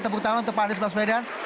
tepuk tangan untuk pak anies baswedan